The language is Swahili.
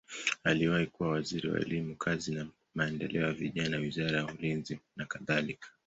Aliwahi kuwa waziri wa elimu, kazi na maendeleo ya vijana, wizara ya ulinzi nakadhalika.